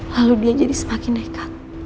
lalu dia jadi semakin nekat